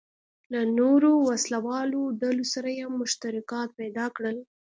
له نورو وسله والو ډلو سره یې مشترکات پیدا کړل.